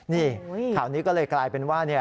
นี่ข่าวนี้ก็เลยกลายเป็นว่า